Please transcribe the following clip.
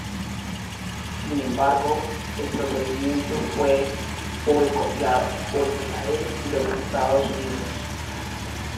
Sin embargo, el procedimiento fue boicoteado por Israel y los Estados Unidos.